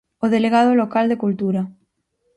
–O delegado local de Cultura.